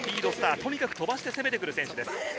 とにかく飛ばして攻めてくる選手です。